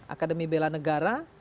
akademi bela negara